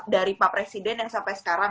dari pak presiden yang sampai sekarang